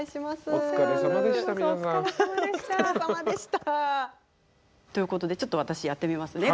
お疲れさまでした。ということでちょっと私やってみますね。